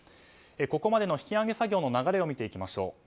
ここまでの引き揚げ作業の流れを見ていきましょう。